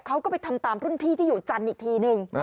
เขาก็ไปทำตามรุ่นพี่ที่อยู่จันทร์อีกทีนึง